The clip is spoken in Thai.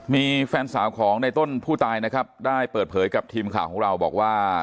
มีแฟนสาวของในต้นผู้ตายนะครับได้เปิดเผยกับทีมข่าวของเราบอกว่า